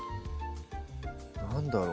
何だろう